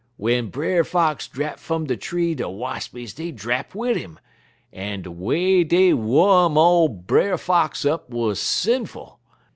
W'en Brer Fox drap fum de tree de wassies dey drap wid 'im, en de way dey wom ole Brer Fox up wuz sinful.